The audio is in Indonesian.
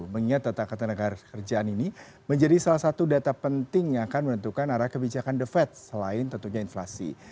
mengingat data ketenaga kerjaan ini menjadi salah satu data penting yang akan menentukan arah kebijakan the fed selain tentunya inflasi